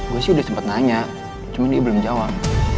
gue sih udah sempet nanya cuman dia belum jawab